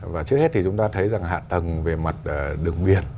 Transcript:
và trước hết thì chúng ta thấy rằng hạ tầng về mặt đường biển